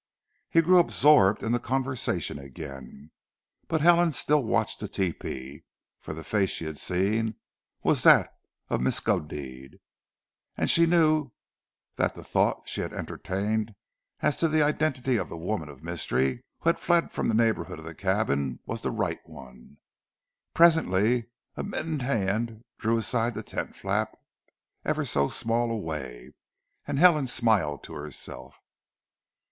He grew absorbed in the conversation again, but Helen still watched the tepee; for the face she had seen was that of Miskodeed, and she knew that the thought she had entertained as to the identity of the woman of mystery, who had fled from the neighbourhood of the cabin, was the right one. Presently a mittened hand drew aside the tent flap ever so small a way; and Helen smiled to herself.